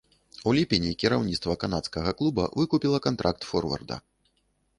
У ліпені кіраўніцтва канадскага клуба выкупіла кантракт форварда.